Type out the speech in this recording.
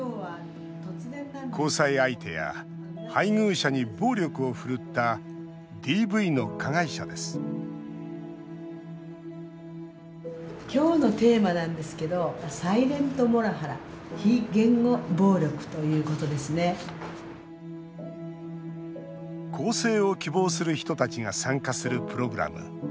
交際相手や配偶者に暴力を振るったＤＶの加害者です更生を希望する人たちが参加するプログラム。